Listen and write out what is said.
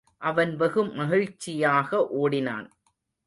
அவன் வெகு மகிழ்ச்சியாக ஓடினான்.